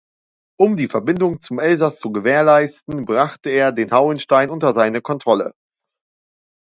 Um die Verbindung zum Elsass zu gewährleisten, brachte er den Hauenstein unter seine Kontrolle.